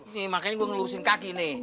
nih makanya gue ngelurusin kaki nih